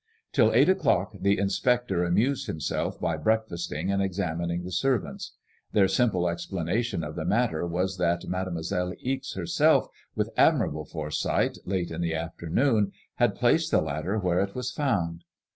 Till eight o'clock the inspector amused himself by breakfasting and examining the servants. Their simple explanation of the matter was that Mademoiselle Ixe her self, with admirable foresight, late in the afternoon, had placed the ladder where it was found.